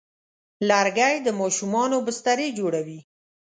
لرګی د ماشومانو بسترې جوړوي.